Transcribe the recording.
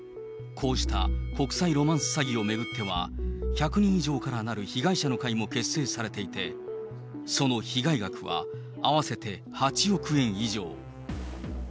こうした国際ロマンス詐欺を巡っては、１００人以上からなる被害者の会も結成されていて、その被害額は合わせて８億円以上。